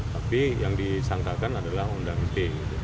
tapi yang disangkakan adalah undang undang ite